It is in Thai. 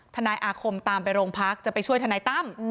นายอาคมตามไปโรงพักจะไปช่วยทนายตั้ม